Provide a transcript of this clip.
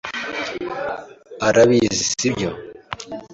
arabizi, sibyo?